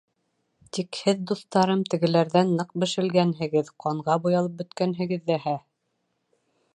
Тик һеҙ, дуҫтарым, тегеләрҙән ныҡ бешелгәнһегеҙ, ҡанға буялып бөткәнһегеҙ ҙәһә.